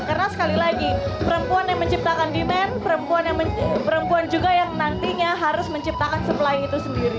karena sekali lagi perempuan yang menciptakan demand perempuan juga yang nantinya harus menciptakan supply itu sendiri